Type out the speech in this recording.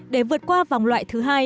để vượt qua vòng loại thứ hai